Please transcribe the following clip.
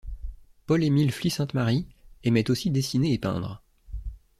Paul Emile Flye-Sainte-Marie aimait aussi dessiner et peindre.